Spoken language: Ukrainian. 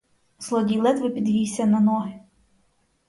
Злодій ледве підвівся на ноги.